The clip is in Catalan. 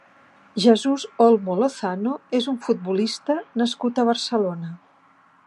Jesús Olmo Lozano és un futbolista nascut a Barcelona.